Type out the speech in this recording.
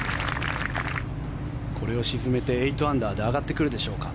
これを沈めて８アンダーで上がってくるでしょうか。